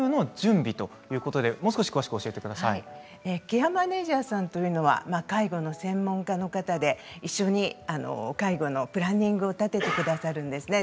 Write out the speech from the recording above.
ケアマネージャーさんというのは介護の専門家の方で一緒に介護のプランニングを立ててくださるんですね。